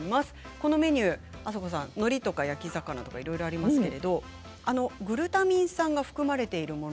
このメニュー、あさこさんのりとか焼き魚とかいろいろありますけれどもグルタミン酸が含まれているもの